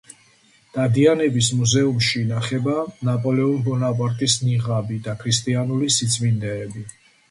დადიანების მუზეუმში ინახება ნაპოლეონ ბონაპარტის ნიღაბი და ქრისტიანული სიწმინდეები.